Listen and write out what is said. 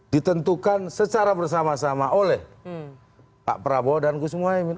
ditentukan secara bersama sama oleh pak prabowo dan gus muhaymin